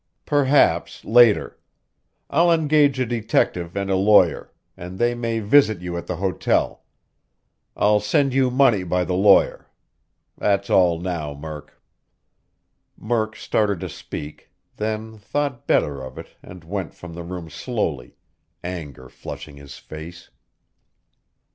"Perhaps, later. I'll engage a detective and a lawyer, and they may visit you at the hotel. I'll send you money by the lawyer. That's all now, Murk." Murk started to speak, then thought better of it and went from the room slowly, anger flushing his face.